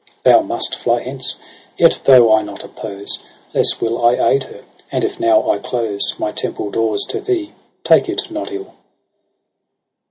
Thou must fly hence : Yet though I not oppose. Less will I aid her ; and if now I close My temple doors to thee, take it not ill.'